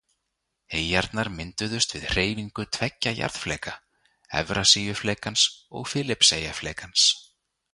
Eyjarnar mynduðust við hreyfingu tveggja jarðfleka, Evrasíuflekans og Filippseyjaflekans.